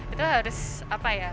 itu harus apa ya